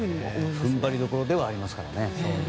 踏ん張りどころではありますからね。